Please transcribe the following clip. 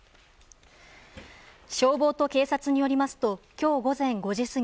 消防と警察によりますと今日午前５時過ぎ